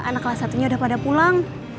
anak kelas satu nya udah pada pulang